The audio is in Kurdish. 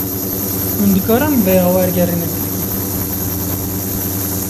Hûn dikarin vêya wergerînin tirkî?